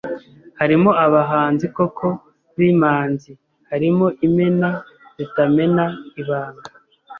Harimo abahanzi koko b'imanzi Harimo imena zitamena ibanga